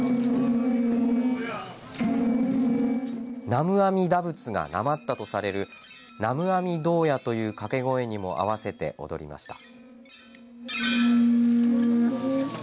南無阿弥陀仏がなまったとされるナムアミドーヤというかけ声にも合わせて踊りました。